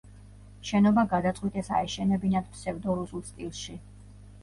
შენობა გადაწყვიტეს აეშენებინათ ფსევდორუსულ სტილში.